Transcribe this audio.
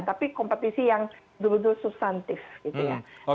tapi kompetisi yang betul betul substantif gitu ya